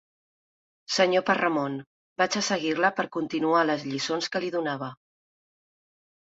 Senyor Parramon, vaig a seguir-la per continuar les lliçons que li donava.